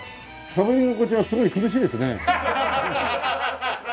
かぶり心地はすごい苦しいですね。